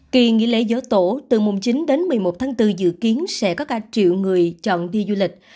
kỳ nghỉ lễ dỗ tổ từ mùng chín đến một mươi một tháng bốn dự kiến sẽ có cả triệu người chọn đi du lịch